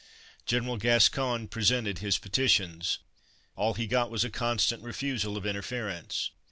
General Gascoigne presented his petitions. All he got was a constant refusal of interference.